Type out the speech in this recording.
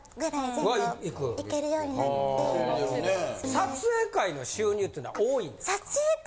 撮影会の収入って多いんですか？